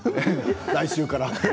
来週から。